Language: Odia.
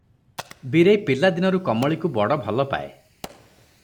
ବୀରେଇ ପିଲା ଦିନରୁ କମଳୀକୁ ବଡ ଭଲ ପାଏ ।